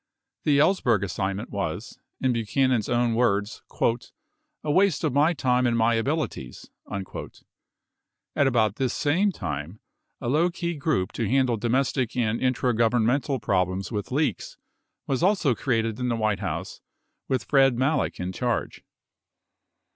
95 The Ellsberg assignment was, in Buchanan's own words, "a waste of my time and my abilities." 96 At about this same time, a low key group to handle domestic and intra governmental problems with leaks was also created in the White House with Fred Malek in charge.